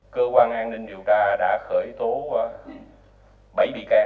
cơ quan an ninh điều tra đã khởi tố bảy bị can